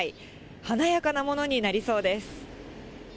華やかなものになりそうです。